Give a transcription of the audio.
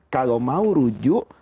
kalau mau rujuk